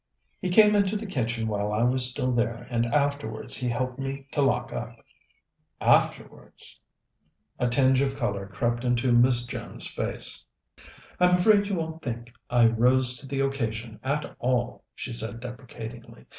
"He came into the kitchen while I was still there, and afterwards he helped me to lock up." "Afterwards?" A tinge of colour crept into Miss Jones's face. "I'm afraid you won't think I rose to the occasion at all," she said deprecatingly.